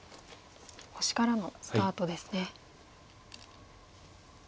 星からのスタートですね。